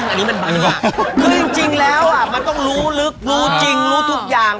อันนี้มันมายากคือจริงแล้วอ่ะมันต้องรู้ลึกรู้จริงรู้ทุกอย่าง